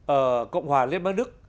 ở cộng hòa liên bang đức